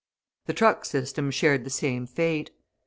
The truck system shared the same fate.